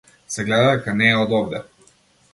Се гледа дека не е од овде.